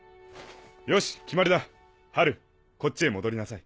よし決まりだハルこっちへ戻りなさい。